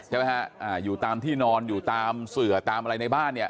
ใช่ไหมฮะอ่าอยู่ตามที่นอนอยู่ตามเสือตามอะไรในบ้านเนี่ย